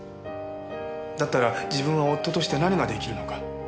だったら自分は夫として何が出来るのか？